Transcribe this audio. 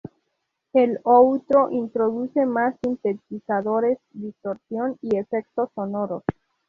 El outro introduce más sintetizadores, distorsión y efectos sonoros.